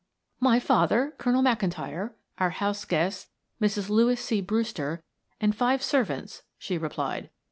"My father, Colonel McIntyre; our house guest, Mrs. Louis C. Brewster, and five servants," she replied.